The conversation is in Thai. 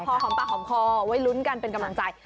เอาพอคอมป่าฮอมคอไว้หลุ้นกันเป็นกำลังใจ